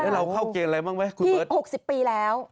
แล้วเราเข้าเกณฑ์อะไรบ้างไว้คุณเบิร์ต